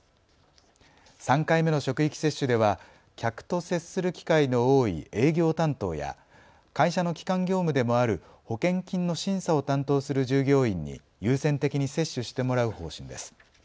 ３回目の職域接種では客と接する機会の多い営業担当や会社の基幹業務でもある保険金の審査を担当する従業員に優先的に接種してもらう方針です。